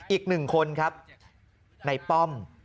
อีกหนึ่งคนครับในป้อม